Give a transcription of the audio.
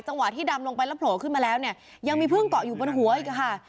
ที่ดำลงไปแล้วโผล่ขึ้นมาแล้วเนี่ยยังมีพึ่งเกาะอยู่บนหัวอีกค่ะ